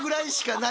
何？